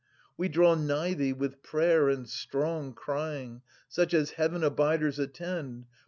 We draw nigh thee with prayer and strong crying Such as Heaven abiders attend.